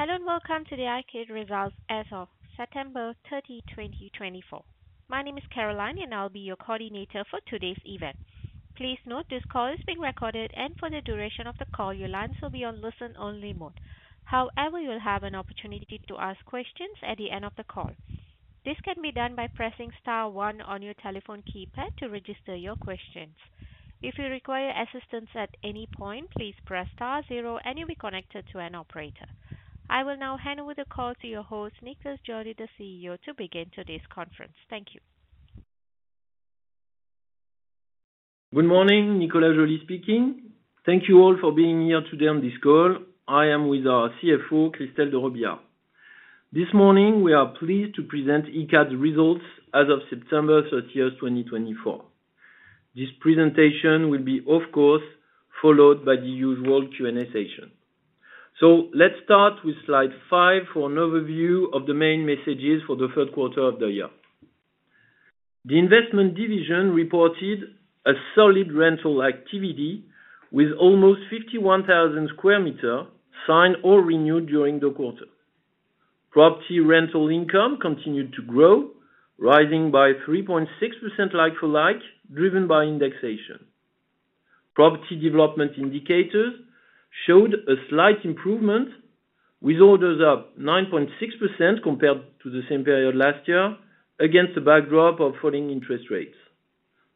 Hello, and welcome to the Icade results as of September 30, 2024. My name is Caroline, and I'll be your coordinator for today's event. Please note this call is being recorded, and for the duration of the call, your lines will be on listen-only mode. However, you'll have an opportunity to ask questions at the end of the call. This can be done by pressing star one on your telephone keypad to register your questions. If you require assistance at any point, please press star zero, and you'll be connected to an operator. I will now hand over the call to your host, Nicolas Joly, the CEO, to begin today's conference. Thank you. Good morning, Nicolas Joly speaking. Thank you all for being here today on this call. I am with our CFO, Christelle de Robillard. This morning, we are pleased to present Icade's results as of September 30th, 2024. This presentation will be, of course, followed by the usual Q&A session. So let's start with Slide Five for an overview of the main messages for the third quarter of the year. The Investment Division reported a solid rental activity with almost fifty-one thousand square meters signed or renewed during the quarter. Property rental income continued to grow, rising by 3.6% like for like, driven by indexation. Property development indicators showed a slight improvement, with orders up 9.6% compared to the same period last year, against a backdrop of falling interest rates.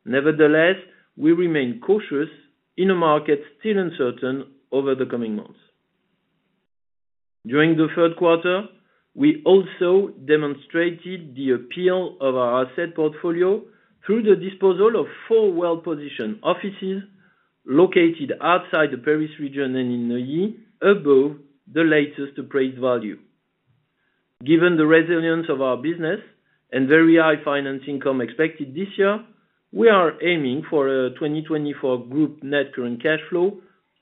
Nevertheless, we remain cautious in a market still uncertain over the coming months. During the third quarter, we also demonstrated the appeal of our asset portfolio through the disposal of four well-positioned offices located outside the Paris region and in Neuilly above the latest appraised value. Given the resilience of our business and very high finance income expected this year, we are aiming for a 2024 group net current cash flow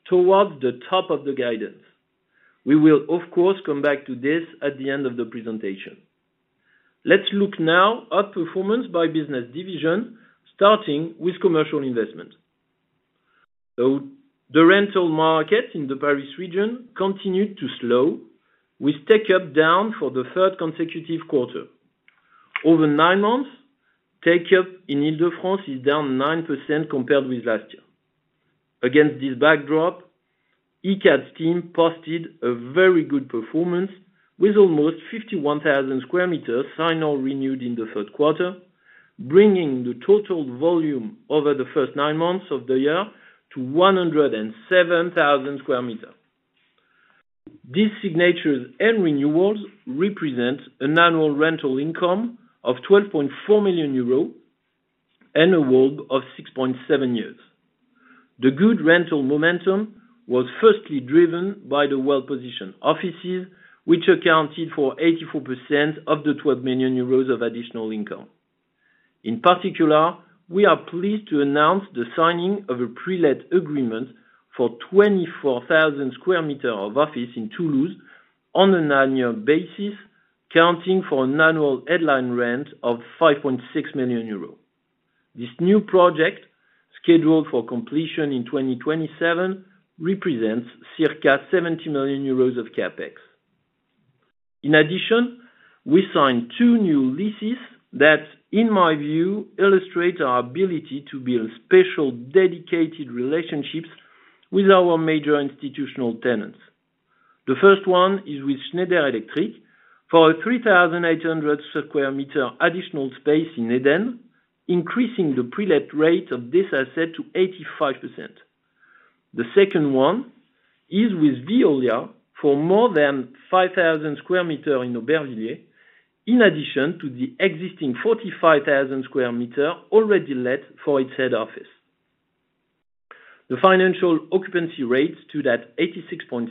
towards the top of the guidance. We will, of course, come back to this at the end of the presentation. Let's look now at performance by business division, starting with commercial investment. So the rental market in the Paris region continued to slow, with take-up down for the third consecutive quarter. Over nine months, take-up in Île-de-France is down 9% compared with last year. Against this backdrop, Icade's team posted a very good performance with almost 51,000 sq m signed or renewed in the third quarter, bringing the total volume over the first nine months of the year to 107,000 sq m. These signatures and renewals represent an annual rental income of 12.4 million euros and a WALB of 6.7 years. The good rental momentum was firstly driven by the well-positioned offices, which accounted for 84% of the 12 million euros of additional income. In particular, we are pleased to announce the signing of a pre-let agreement for 24,000 sq m of office in Toulouse on an annual basis, accounting for an annual headline rent of 5.6 million euros. This new project, scheduled for completion in 2027, represents circa 70 million euros of CapEx. In addition, we signed two new leases that, in my view, illustrate our ability to build special, dedicated relationships with our major institutional tenants. The first one is with Schneider Electric for a 3,800 sq m additional space in Edenn, increasing the pre-let rate of this asset to 85%. The second one is with Veolia for more than 5,000 sq m in Aubervilliers, in addition to the existing 45,000 sq m already let for its head office. The financial occupancy rate stood at 86.6%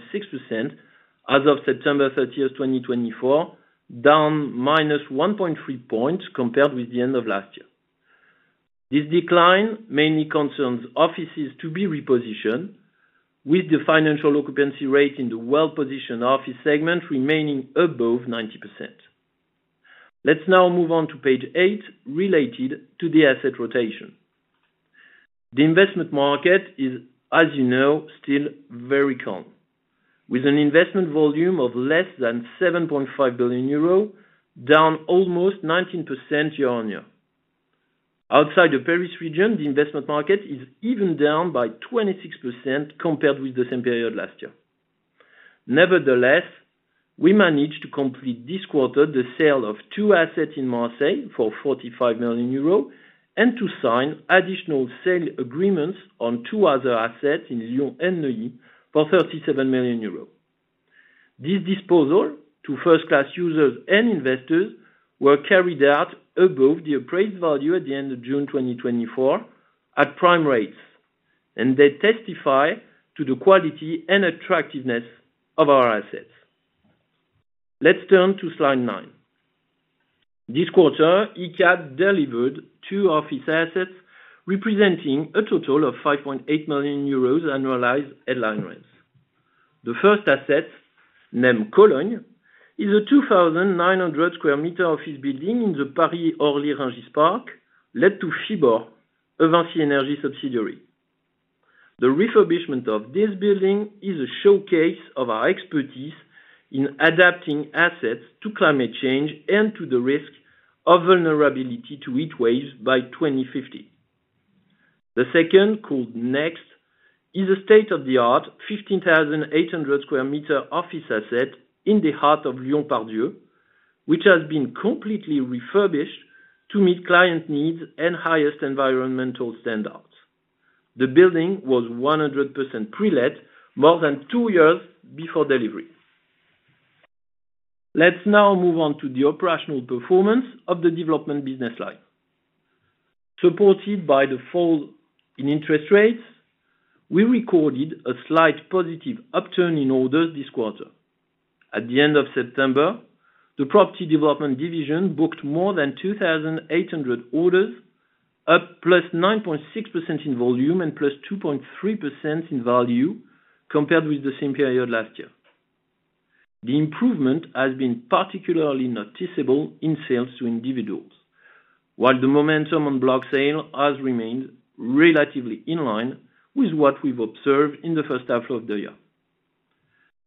as of September 30th, 2024, down -1.3 points compared with the end of last year. This decline mainly concerns offices to be repositioned, with the financial occupancy rate in the well-positioned office segment remaining above 90%. Let's now move on to page eight, related to the asset rotation. The investment market is, as you know, still very calm, with an investment volume of less than 7.5 billion euro, down almost 19% year-on-year. Outside the Paris region, the investment market is even down by 26% compared with the same period last year. Nevertheless, we managed to complete this quarter the sale of two assets in Marseille for 45 million euros, and to sign additional sale agreements on two other assets in Lyon and Neuilly for 37 million euros. This disposal to first-class users and investors were carried out above the appraised value at the end of June 2024 at prime rates, and they testify to the quality and attractiveness of our assets. Let's turn to Slide Nine. This quarter, Icade delivered two office assets, representing a total of 5.8 million euros annualized headline rents. The first asset, named Cologne, is a 2,900 sq m office building in the Paris-Orly Rungis park, let to Phibor, VINCI Energies subsidiary. The refurbishment of this building is a showcase of our expertise in adapting assets to climate change and to the risk of vulnerability to heatwaves by 2050. The second, called Next, is a state-of-the-art 15,800 sq m office asset in the heart of Lyon Part-Dieu, which has been completely refurbished to meet client needs and highest environmental standards. The building was 100% pre-let more than two years before delivery. Let's now move on to the operational performance of the development business line. Supported by the fall in interest rates, we recorded a slight positive upturn in orders this quarter. At the end of September, the Property Development Division booked more than 2,800 orders, up +9.6% in volume and +2.3% in value, compared with the same period last year. The improvement has been particularly noticeable in sales to individuals, while the momentum on block sale has remained relatively in line with what we've observed in the first half of the year.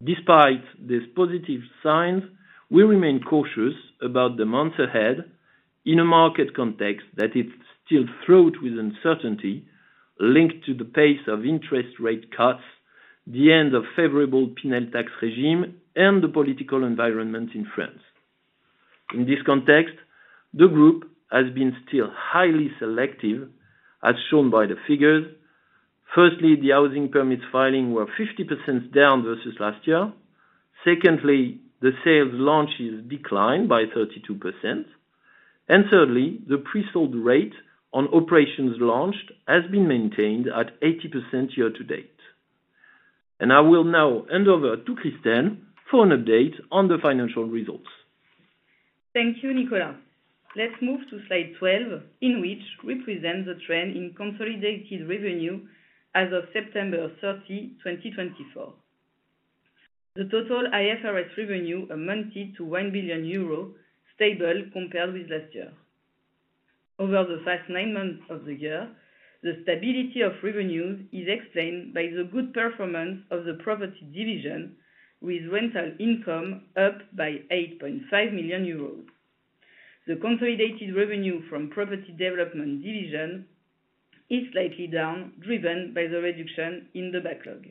Despite these positive signs, we remain cautious about the months ahead in a market context that is still fraught with uncertainty, linked to the pace of interest rate cuts, the end of favorable Pinel tax regime, and the political environment in France. In this context, the group has been still highly selective, as shown by the figures. Firstly, the housing permits filing were 50% down versus last year. Secondly, the sales launches declined by 32%. Thirdly, the pre-sold rate on operations launched has been maintained at 80% year-to-date. I will now hand over to Christelle for an update on the financial results. Thank you, Nicolas. Let's move to Slide 12, in which we present the trend in consolidated revenue as of September 30, 2024. The total IFRS revenue amounted to 1 billion euro, stable compared with last year. Over the first nine months of the year, the stability of revenues is explained by the good performance of the property division, with rental income up by 8.5 million euros. The consolidated revenue from Property Development Division is slightly down, driven by the reduction in the backlog.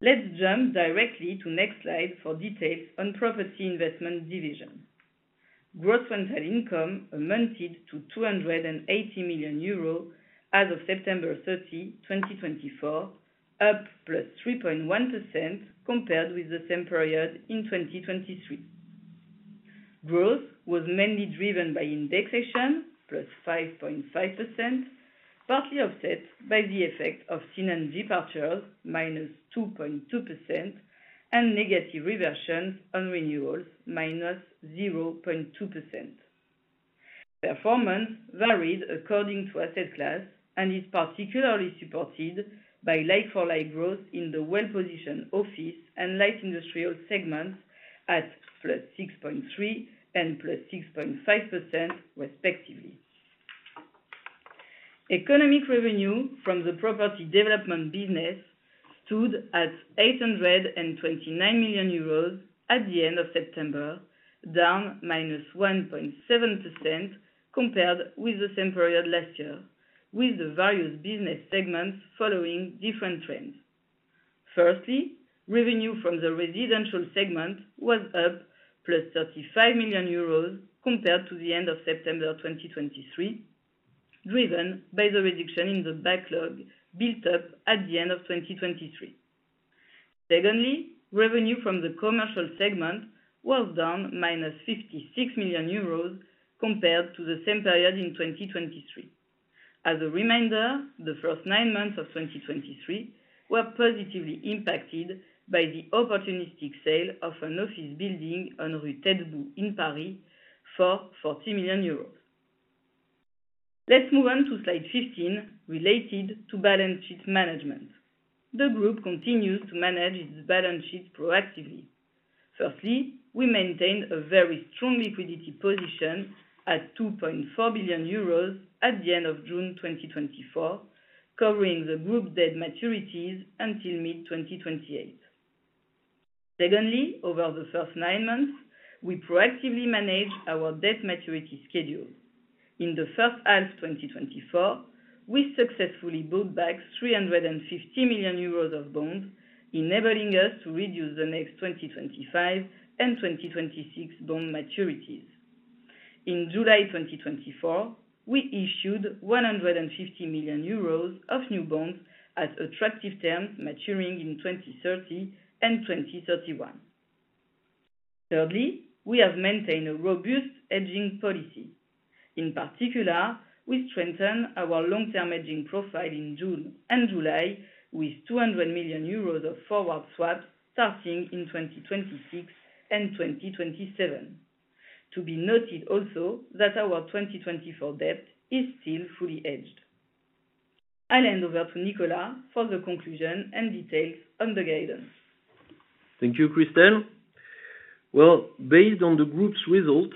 Let's jump directly to next slide for details on Property Investment Division. Gross rental income amounted to 280 million euros as of September 30, 2024, up 3.1% compared with the same period in 2023. Growth was mainly driven by indexation, +5.5%, partly offset by the effect of tenant departures, -2.2%, and negative reversions on renewals, -0.2%. Performance varied according to asset class and is particularly supported by like-for-like growth in the well-positioned office and light industrial segments at +6.3% and +6.5%, respectively. Economic revenue from the property development business stood at 829 million euros at the end of September, down -1.7% compared with the same period last year, with the various business segments following different trends. Firstly, revenue from the residential segment was up +35 million euros compared to the end of September 2023, driven by the reduction in the backlog built up at the end of 2023. Secondly, revenue from the commercial segment was down 56 million euros compared to the same period in 2023. As a reminder, the first nine months of 2023 were positively impacted by the opportunistic sale of an office building on Rue Taitbout in Paris for 40 million euros. Let's move on to Slide 15, related to balance sheet management. The group continues to manage its balance sheet proactively. Firstly, we maintained a very strong liquidity position at 2.4 billion euros at the end of June 2024, covering the group debt maturities until mid-2028. Secondly, over the first nine months, we proactively managed our debt maturity schedule. In the first half 2024, we successfully bought back 350 million euros of bonds, enabling us to reduce the next 2025 and 2026 bond maturities. In July 2024, we issued 150 million euros of new bonds at attractive terms, maturing in 2030 and 2031. Thirdly, we have maintained a robust hedging policy. In particular, we strengthened our long-term hedging profile in June and July with 200 million euros of forward swap, starting in 2026 and 2027. To be noted also that our 2024 debt is still fully hedged. I'll hand over to Nicolas for the conclusion and details on the guidance. Thank you, Christelle. Well, based on the group's results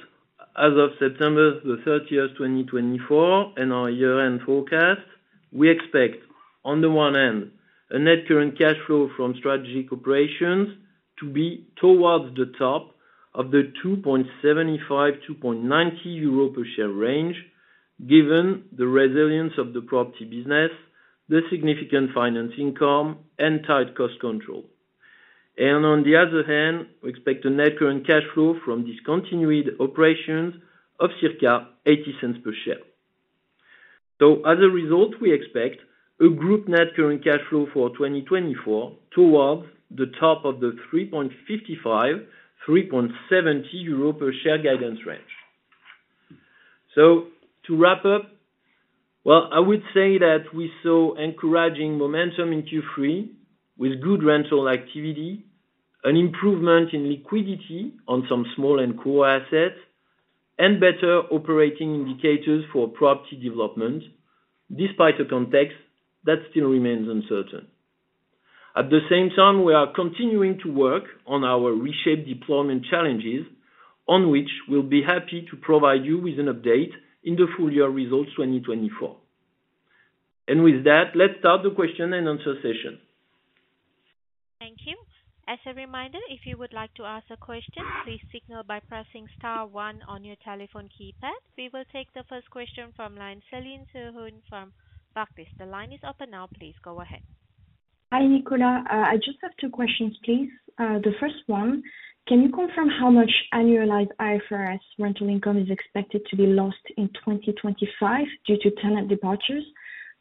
as of September 30th, 2024, and our year-end forecast, we expect, on the one hand, a net current cash flow from strategic operations to be towards the top of the 2.75-2.90 euro per share range, given the resilience of the property business, the significant finance income, and tight cost control, and on the other hand, we expect a net current cash flow from discontinued operations of circa 0.80 per share, so as a result, we expect a group net current cash flow for 2024 towards the top of the 3.55-3.70 euro per share guidance range. To wrap up, well, I would say that we saw encouraging momentum in Q3 with good rental activity, an improvement in liquidity on some small and core assets, and better operating indicators for property development, despite a context that still remains uncertain. At the same time, we are continuing to work on our ReShapE deployment challenges, on which we'll be happy to provide you with an update in the full-year results 2024. With that, let's start the question and answer session. Thank you. As a reminder, if you would like to ask a question, please signal by pressing star one on your telephone keypad. We will take the first question from line, Céline Soo-Huynh from Barclays. The line is open now, please go ahead. Hi, Nicolas. I just have two questions, please. The first one, can you confirm how much annualized IFRS rental income is expected to be lost in 2025 due to tenant departures?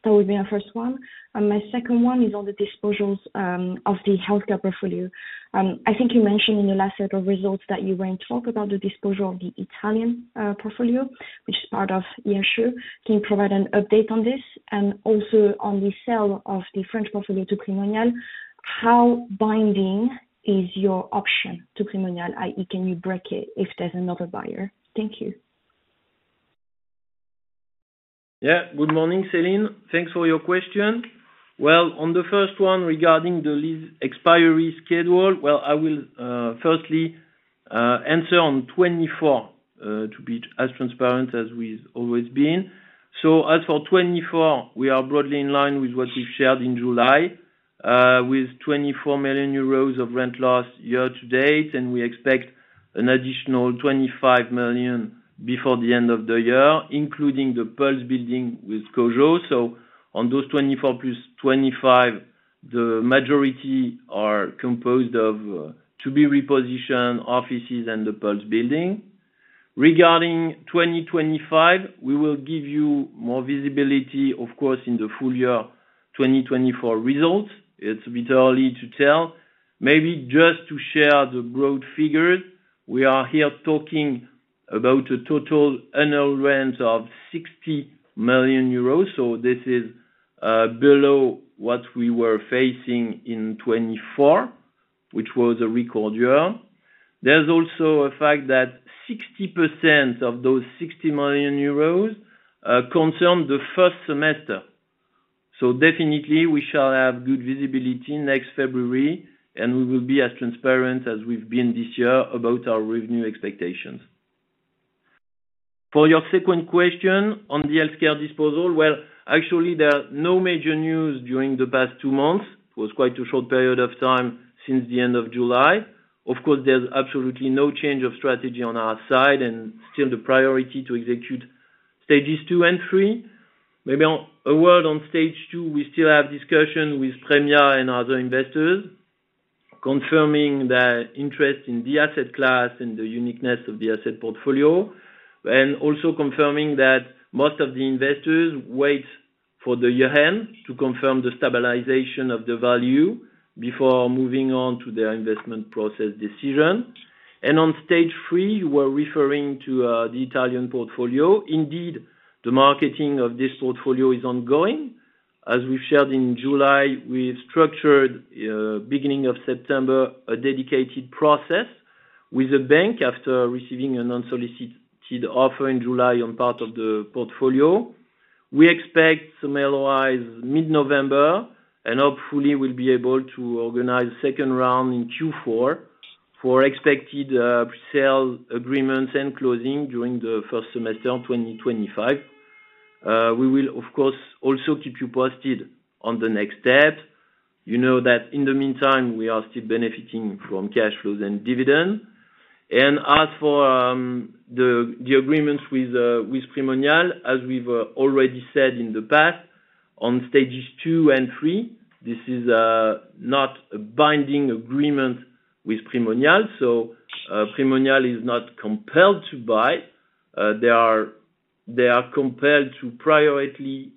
That would be my first one. And my second one is on the disposals of the healthcare portfolio. I think you mentioned in your last set of results that you were going to talk about the disposal of the Italian portfolio, which is part of the issue. Can you provide an update on this? And also on the sale of the French portfolio to Primonial, how binding is your option to Primonial, i.e., can you break it if there's another buyer? Thank you. Yeah. Good morning, Céline. Thanks for your question. Well, on the first one, regarding the lease expiry schedule, well, I will, firstly, answer on 2024, to be as transparent as we've always been. So as for 2024, we are broadly in line with what we've shared in July, with 24 million euros of rent last year to date, and we expect an additional 25 million before the end of the year, including the Pulse building with COJO. So on those 24 million plus 25 million, the majority are composed of, to-be repositioned offices and the Pulse building. Regarding 2025, we will give you more visibility, of course, in the full year 2024 results. It's a bit early to tell. Maybe just to share the broad figures, we are here talking about a total annual rent of 60 million euros. So this is below what we were facing in 2024, which was a record year. There's also a fact that 60% of those 60 million euros concern the first semester. So definitely, we shall have good visibility next February, and we will be as transparent as we've been this year about our revenue expectations. For your second question on the healthcare disposal, well, actually, there are no major news during the past two months. It was quite a short period of time since the end of July. Of course, there's absolutely no change of strategy on our side, and still the priority to execute stages two and three. Maybe a word on stage two, we still have discussion with Primonial and other investors, confirming their interest in the asset class and the uniqueness of the asset portfolio, and also confirming that most of the investors wait for the year-end to confirm the stabilization of the value before moving on to their investment process decision. And on stage three, you were referring to the Italian portfolio. Indeed, the marketing of this portfolio is ongoing. As we've shared in July, we structured beginning of September a dedicated process with the bank after receiving an unsolicited offer in July on part of the portfolio. We expect to finalize mid-November, and hopefully, we'll be able to organize second round in Q4 for expected sales agreements and closing during the first semester in 2025. We will, of course, also keep you posted on the next step. You know that in the meantime, we are still benefiting from cash flows and dividend. And as for the agreements with Primonial, as we've already said in the past, on stages two and three, this is not a binding agreement with Primonial. So, Primonial is not compelled to buy. They are compelled to priority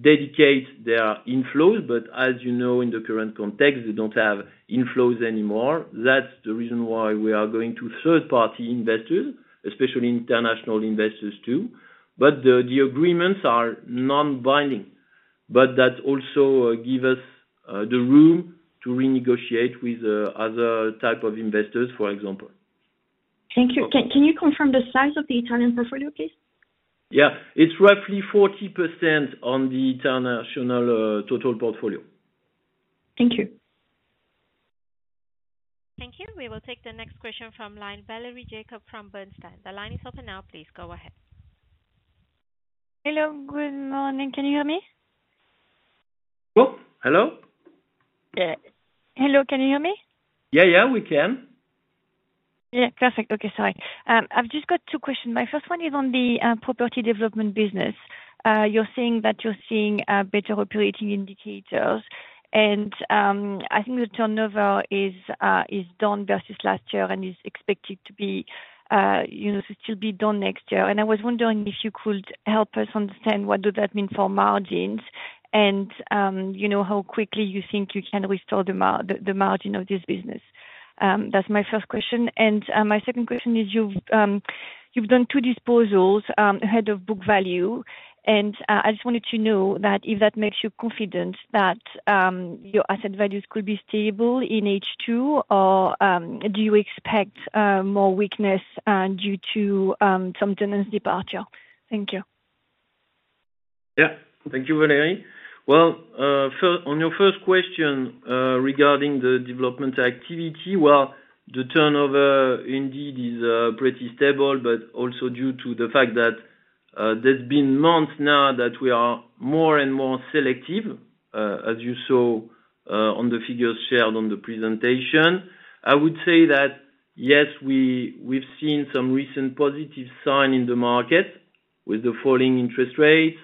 dedicate their inflows, but as you know, in the current context, they don't have inflows anymore. That's the reason why we are going to third-party investors, especially international investors, too. But the agreements are non-binding, but that also give us the room to renegotiate with other type of investors, for example. Thank you. Can you confirm the size of the Italian portfolio, please? Yeah, it's roughly 40% on the international, total portfolio. Thank you. Thank you. We will take the next question from line, Valérie Jacob from Bernstein. The line is open now, please go ahead. Hello, good morning. Can you hear me? Oh, hello? Hello, can you hear me? Yeah, yeah, we can. Yeah, perfect. Okay, sorry. I've just got two questions. My first one is on the property development business. You're saying that you're seeing better operating indicators, and I think the turnover is down versus last year and is expected to be, you know, to still be down next year. And I was wondering if you could help us understand what does that mean for margins, and you know, how quickly you think you can restore the margin of this business? That's my first question. And my second question is, you've done two disposals ahead of book value. And I just wanted to know that, if that makes you confident that your asset values could be stable in H2? Or, do you expect more weakness due to some tenants' departure? Thank you. Yeah. Thank you, Valérie. On your first question, regarding the development activity, the turnover indeed is pretty stable, but also due to the fact that, there's been months now that we are more and more selective, as you saw, on the figures shared on the presentation. I would say that, yes, we've seen some recent positive sign in the market with the falling interest rates,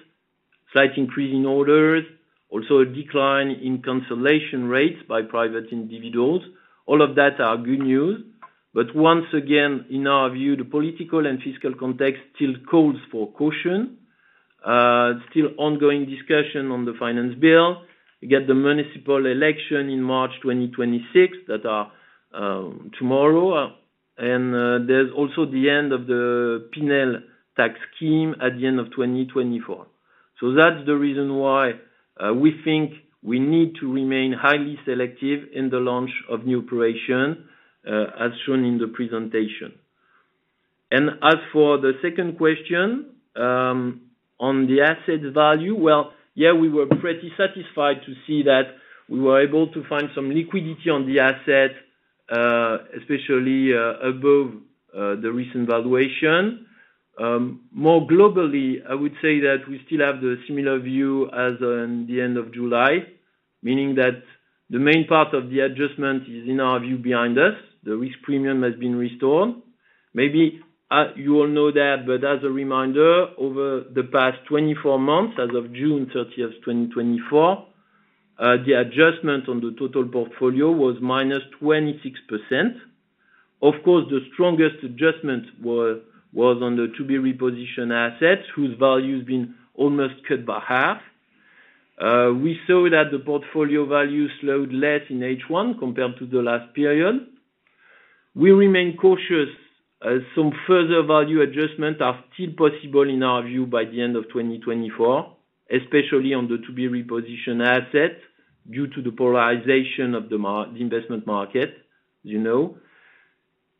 slight increase in orders, also a decline in cancellation rates by private individuals. All of that are good news, but once again, in our view, the political and fiscal context still calls for caution. Still ongoing discussion on the finance bill. You get the municipal election in March, 2026, that are, tomorrow. And, there's also the end of the Pinel tax scheme at the end of 2024. That's the reason why, we think we need to remain highly selective in the launch of new operation, as shown in the presentation. And as for the second question, on the asset value, well, yeah, we were pretty satisfied to see that we were able to find some liquidity on the asset, especially, above, the recent valuation. More globally, I would say that we still have the similar view as on the end of July, meaning that the main part of the adjustment is, in our view, behind us. The risk premium has been restored. Maybe, you all know that, but as a reminder, over the past 24 months, as of June 30th, 2024, the adjustment on the total portfolio was -26%. Of course, the strongest adjustment was on the to-be-repositioned assets, whose value's been almost cut by half. We saw that the portfolio value slowed less in H1 compared to the last period. We remain cautious, as some further value adjustments are still possible, in our view, by the end of 2024, especially on the to-be-repositioned assets, due to the polarization of the investment market, you know.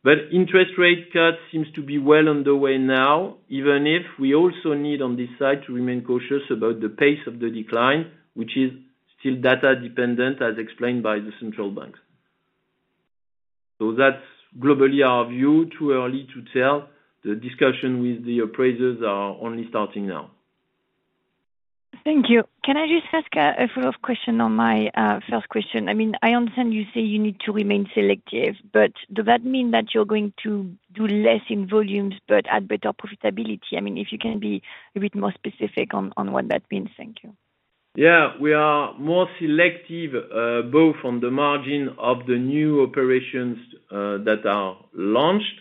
But interest rate cut seems to be well underway now, even if we also need, on this side, to remain cautious about the pace of the decline, which is still data-dependent, as explained by the central banks. So that's globally our view, too early to tell. The discussion with the appraisers are only starting now. Thank you. Can I just ask a follow-up question on my first question? I mean, I understand you say you need to remain selective, but does that mean that you're going to do less in volumes but at better profitability? I mean, if you can be a bit more specific on what that means. Thank you. Yeah. We are more selective both on the margin of the new operations that are launched.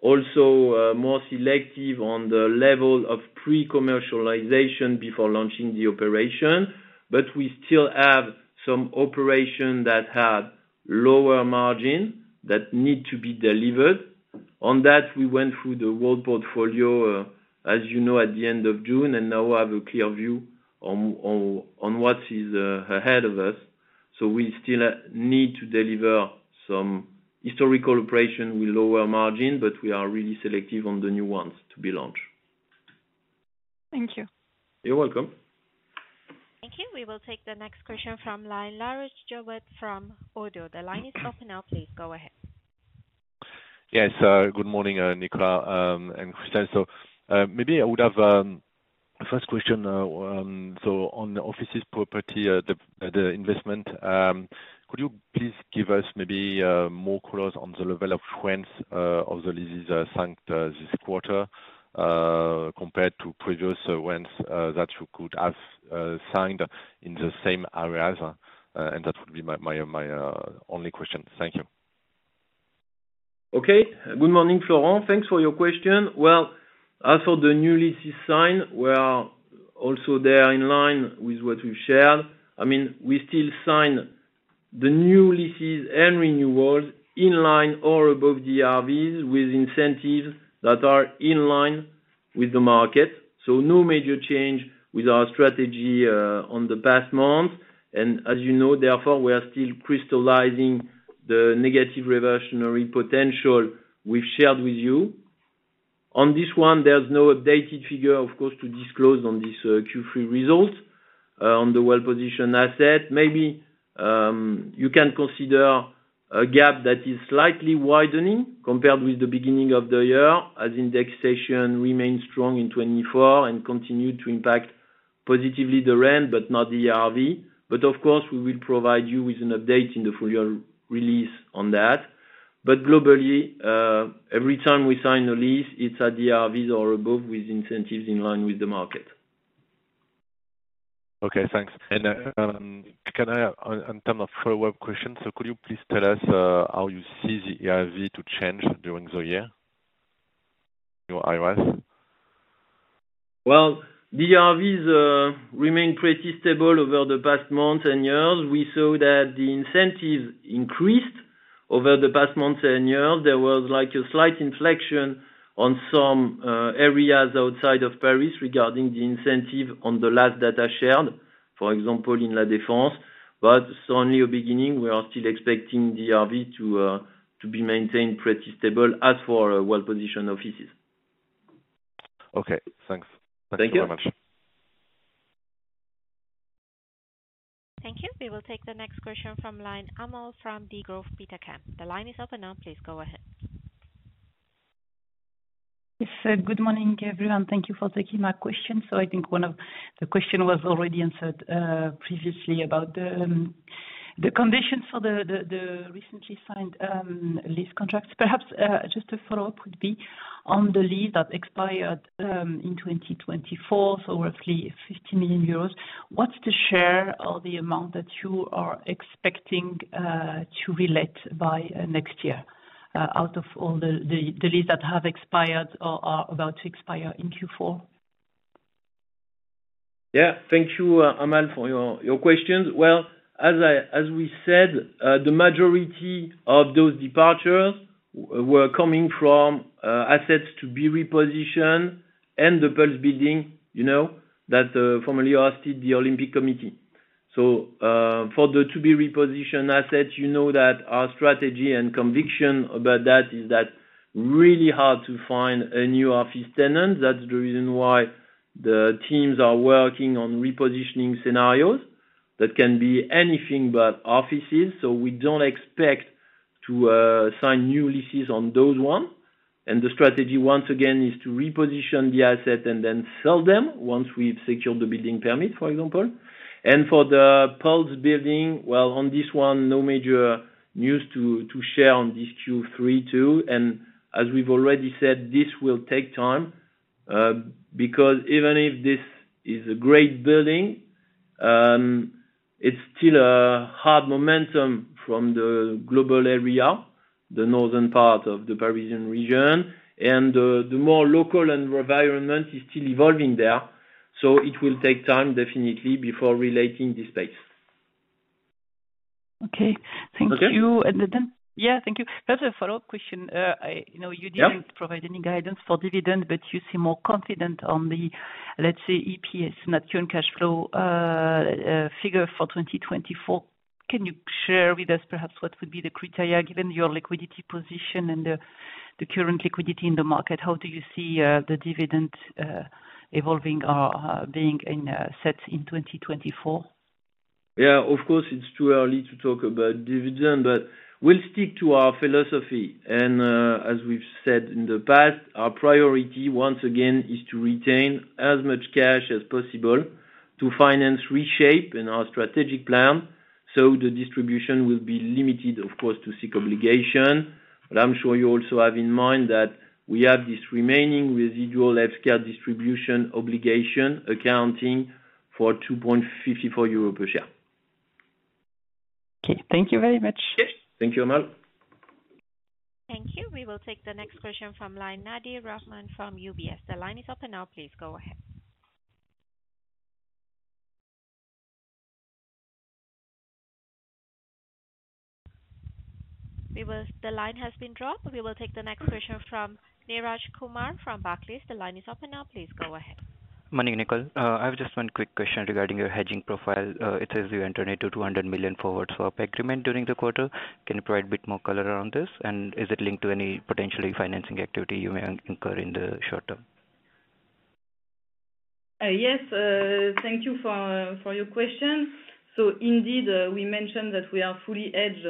Also more selective on the level of pre-commercialization before launching the operation. But we still have some operation that have lower margin that need to be delivered. On that, we went through the whole portfolio, as you know, at the end of June, and now we have a clear view on what is ahead of us. So we still need to deliver some historical operation with lower margin, but we are really selective on the new ones to be launched. Thank you. You're welcome. Thank you. We will take the next question from line, Florent Laroche-Joubert from Oddo. The line is open now, please go ahead. Yes, good morning, Nicolas, and Christelle. So, maybe I would have a first question, so on the offices property, the investment, could you please give us maybe more colors on the level of rents of the leases signed this quarter, compared to previous rents that you could have signed in the same areas? And that would be my only question. Thank you. Okay. Good morning, Florent. Thanks for your question. Well, as for the new leases signed, we are also there in line with what we've shared. I mean, we still sign the new leases and renewals in line or above the ERVs, with incentives that are in line with the market, so no major change with our strategy on the past month. And as you know, therefore, we are still crystallizing the negative reversionary potential we've shared with you. On this one, there's no updated figure, of course, to disclose on this Q3 result. On the well-positioned asset, maybe you can consider a gap that is slightly widening compared with the beginning of the year, as indexation remains strong in 2024 and continued to impact positively the rent, but not the ERV. Of course, we will provide you with an update in the full-year release on that. Globally, every time we sign a lease, it's at the ERVs or above, with incentives in line with the market. Okay, thanks and can I in terms of follow-up question, so could you please tell us how you see the ERV to change during the year, your areas? The ERVs remain pretty stable over the past month and years. We saw that the incentives increased over the past month and year. There was like a slight inflection on some areas outside of Paris regarding the incentive on the last data shared, for example, in La Défense. But it's only a beginning. We are still expecting the ERV to be maintained pretty stable as for our well-positioned offices. Okay, thanks. Thank you. Thank you very much. Thank you. We will take the next question from the line, Amal from Degroof Petercam. The line is open now, please go ahead. Yes, good morning, everyone. Thank you for taking my question. So I think one of the question was already answered previously about the conditions for the recently signed lease contracts. Perhaps just a follow-up would be on the lease that expired in 2024, so roughly 50 million euros. What's the share or the amount that you are expecting to relet by next year out of all the lease that have expired or are about to expire in Q4? Yeah. Thank you, Amal, for your questions. Well, as we said, the majority of those departures were coming from assets to be repositioned and the Pulse building, you know, that formerly hosted the Olympic Committee. So, for the to-be-repositioned assets, you know that our strategy and conviction about that is that really hard to find a new office tenant. That's the reason why the teams are working on repositioning scenarios. That can be anything but offices, so we don't expect to sign new leases on those one. And the strategy, once again, is to reposition the asset and then sell them once we've secured the building permit, for example. And for the Pulse building, well, on this one, no major news to share on this Q3, too. As we've already said, this will take time, because even if this is a great building, it's still a hard market in the Paris region, the northern part of the Parisian region, and the more local environment is still evolving there, so it will take time, definitely, before reletting this space. Okay. Okay? Thank you. And then, yeah, thank you. Just a follow-up question. I... Yeah. You know, you didn't provide any guidance for dividend, but you seem more confident on the, let's say, EPS, net current cash flow figure for 2024. Can you share with us perhaps what would be the criteria, given your liquidity position and the current liquidity in the market? How do you see the dividend evolving or being in set in 2024? Yeah, of course, it's too early to talk about dividend, but we'll stick to our philosophy. And, as we've said in the past, our priority, once again, is to retain as much cash as possible to finance the reshaping of our strategic plan. So the distribution will be limited, of course, to legal obligation. But I'm sure you also have in mind that we have this remaining residual leftover scale distribution obligation, accounting for 2.54 euro per share. Okay, thank you very much. Yes. Thank you, Amal. Thank you. We will take the next question from the line, Nadir Rahman from UBS. The line is open now, please go ahead. We will- the line has been dropped. We will take the next question from Neeraj Kumar from Barclays. The line is open now, please go ahead. Morning, Nicolas. I have just one quick question regarding your hedging profile. It says you entered into 200 million forward swap agreement during the quarter. Can you provide a bit more color around this? And is it linked to any potentially financing activity you may incur in the short term? Yes, thank you for your question. So indeed, we mentioned that we are fully hedged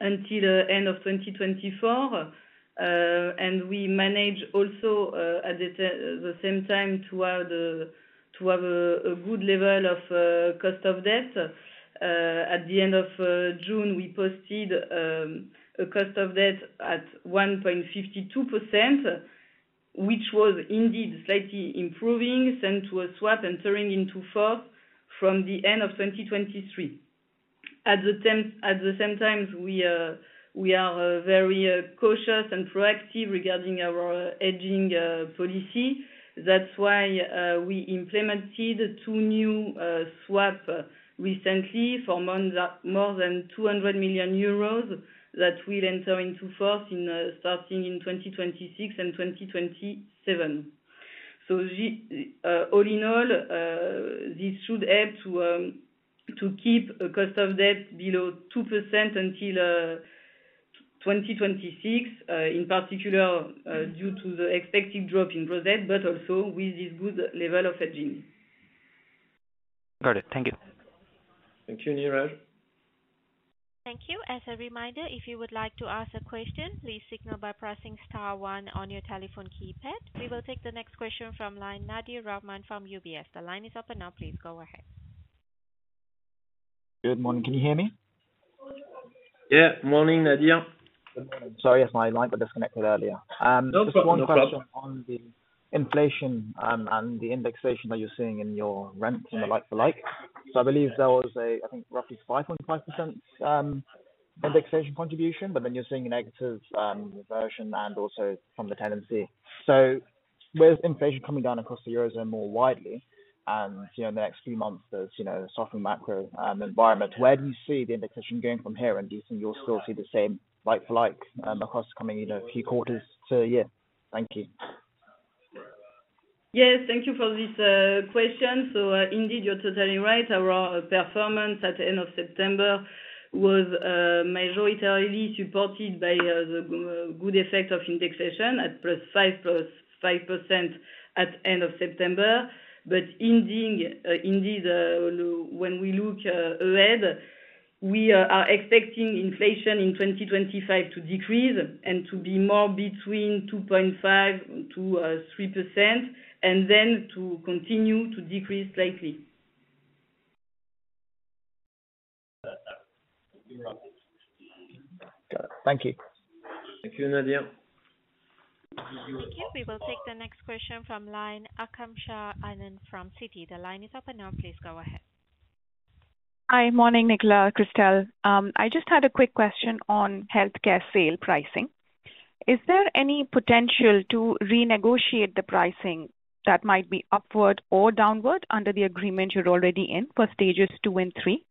until the end of 2024. And we manage also, at the same time, to have a good level of cost of debt. At the end of June, we posted a cost of debt at 1.52%, which was indeed slightly improving, thanks to a swap entering into force from the end of 2023. At the same time, we are very cautious and proactive regarding our hedging policy. That's why we implemented two new swaps recently for more than 200 million euros, that will enter into force starting in 2026 and 2027. All in all, this should help to keep the cost of debt below 2% until 2026, in particular, due to the expected drop in €STR, but also with this good level of hedging. Got it. Thank you. Thank you, Neeraj. Thank you. As a reminder, if you would like to ask a question, please signal by pressing star one on your telephone keypad. We will take the next question from line, Nadir Rahman from UBS. The line is open now, please go ahead. Good morning. Can you hear me? Yeah, morning, Nadir. Sorry, yes, my line got disconnected earlier. No problem, no problem. Just one question on the inflation, and the indexation that you're seeing in your rent in the like-for-like. So I believe there was a, I think, roughly 5.5% indexation contribution, but then you're seeing a negative reversion and also from the tenancy. So with inflation coming down across the Eurozone more widely, and, you know, in the next few months, there's, you know, softer macro environment, where do you see the indexation going from here? And do you think you'll still see the same like-for-like growth coming in a few quarters? So yeah. Thank you. Yes, thank you for this question. So, indeed, you're totally right. Our performance at the end of September was mainly supported by the good effect of indexation at +5% at end of September. But indeed, when we look ahead, we are expecting inflation in 2025 to decrease and to be more between 2.5%-3%, and then to continue to decrease slightly. Got it. Thank you. Thank you, Nadir. Thank you. We will take the next question from line, Aakanksha Anand from Citi. The line is open now, please go ahead. Hi. Morning, Nicolas, Christelle. I just had a quick question on healthcare sale pricing. Is there any potential to renegotiate the pricing that might be upward or downward under the agreement you're already in for stages two and three?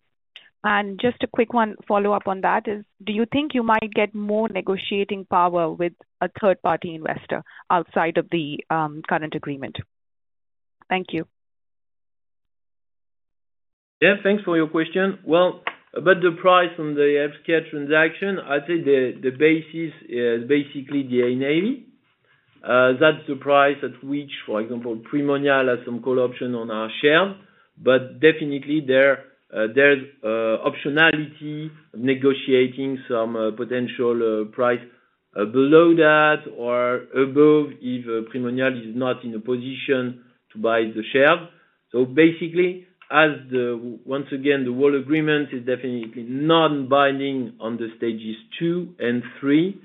And just a quick one follow-up on that is, do you think you might get more negotiating power with a third-party investor outside of the, current agreement? Thank you. Yeah, thanks for your question. About the price on the healthcare transaction, I'd say the basis is basically the NAV. That's the price at which, for example, Primonial has some call option on our share, but definitely there, there's optionality negotiating some potential price below that or above if Primonial is not in a position to buy the share. So basically, once again, the whole agreement is definitely non-binding on the stages two and three.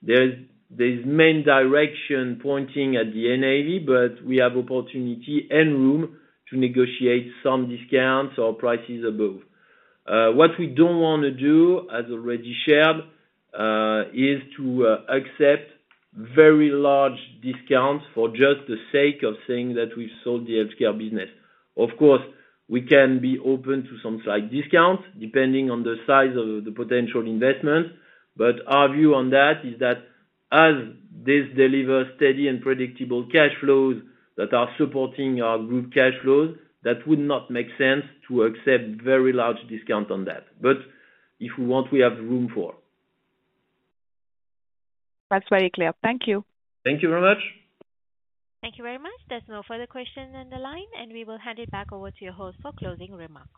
There's main direction pointing at the NAV, but we have opportunity and room to negotiate some discounts or prices above. What we don't wanna do, as already shared, is to accept very large discounts for just the sake of saying that we've sold the healthcare business. Of course, we can be open to some slight discounts, depending on the size of the potential investment, but our view on that is that as this delivers steady and predictable cash flows that are supporting our group cash flows, that would not make sense to accept very large discount on that. But if we want, we have room for. That's very clear. Thank you. Thank you very much. Thank you very much. There's no further questions on the line, and we will hand it back over to your host for closing remarks.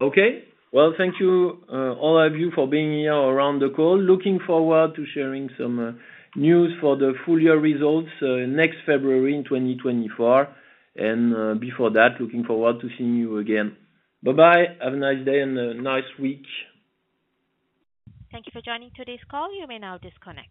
Okay. Well, thank you all of you for being here on the call. Looking forward to sharing some news for the full year results next February, 2024. Before that, looking forward to seeing you again. Bye-bye. Have a nice day and a nice week. Thank you for joining today's call. You may now disconnect.